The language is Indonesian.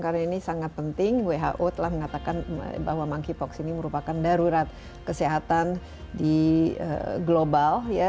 karena ini sangat penting who telah mengatakan bahwa monkeypox ini merupakan darurat kesehatan global